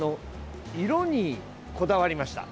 色にこだわりました。